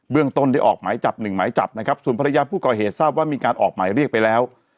เรื่องต้นได้ออกหมายจับหนึ่งหมายจับนะครับส่วนภรรยาผู้ก่อเหตุทราบว่ามีการออกหมายเรียกไปแล้ว